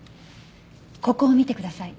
ここを見てください。